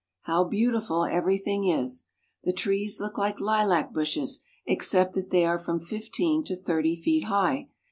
How beautiful everything is! The trees look Uke Hlac bushes, except that they are from fifteen to thirty feet high.